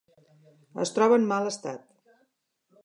Es troba en mal estat.